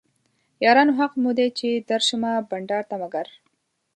یارانو حق مو دی چې درشمه بنډار ته مګر